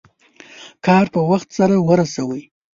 کار په وخت سرته ورسوئ.